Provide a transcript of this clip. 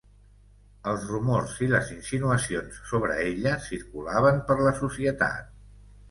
Els rumors i les insinuacions sobre ella circulaven per la societat.